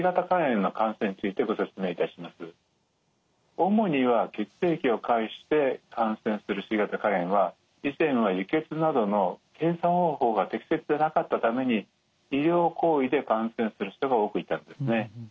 主には血液を介して感染するＣ型肝炎は以前は輸血などの検査方法が適切でなかったために医療行為で感染する人が多くいたんですね。